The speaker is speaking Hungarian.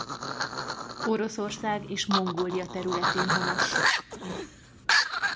Oroszország és Mongólia területén honos.